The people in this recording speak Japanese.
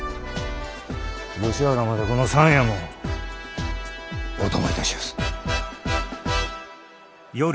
吉原までこの三右衛門お供いたしやす。